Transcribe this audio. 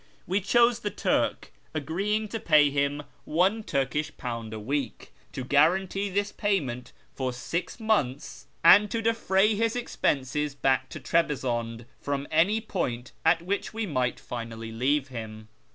We chose the Turk, agreeing to pay him one Turkish pound a week, to guarantee this payment for six months, and to defray his expenses back to Trebizonde from any point at which we might finally leave him.